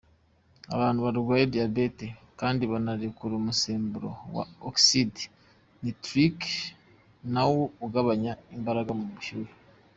Abantu barwaye diyabete kandi banarekura umusemburo wa oxide nitrique nawo ugabanya imbaraga mu mushyukwe.